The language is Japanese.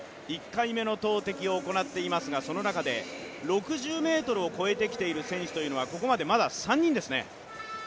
１回目の投てきを行っていますがその中で、６０ｍを越えてきている選手はここまでまだ３人ですね。